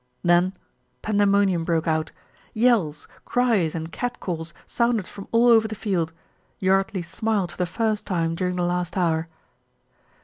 Then pandemonium broke out. Yells, cries, and cat calls sounded from all over the field. Yardley smiled for the first time during the last hour.